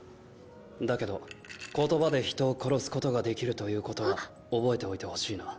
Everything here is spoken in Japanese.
だけど言葉で人を殺すことができるということは覚えておいてほしいな。